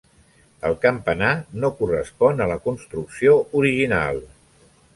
El campanar no correspon a la construcció original.